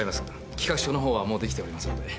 企画書のほうはもうできておりますので。